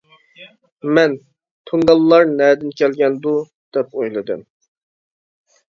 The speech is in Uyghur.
مەن، تۇڭگانلار نەدىن كەلگەندۇ؟ دەپ ئويلىدىم.